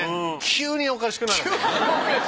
急におかしくなる。